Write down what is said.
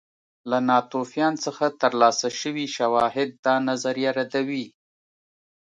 له ناتوفیان څخه ترلاسه شوي شواهد دا نظریه ردوي